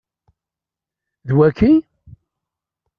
D waki?